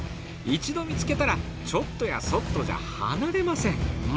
一度見つけたらちょっとやそっとじゃ離れません。